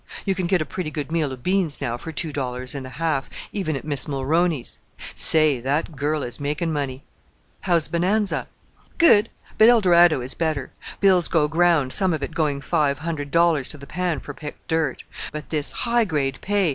You can get a pretty good meal of beans now for two dollars and a half even at Miss Mulrooney's. Say! that girl is making money." "How's Bonanza?" "Good; but Eldorado is better. Bill's go ground, some of it going five hundred dollars to the pan for picked dirt. But this high grade pay!